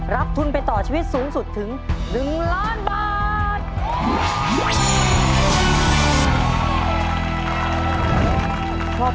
รับทุนไปต่อชีวิตสูงสุดถึง๑ล้านบาท